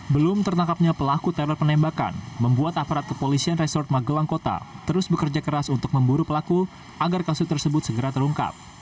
belum tertangkapnya pelaku teror penembakan membuat aparat kepolisian resort magelang kota terus bekerja keras untuk memburu pelaku agar kasus tersebut segera terungkap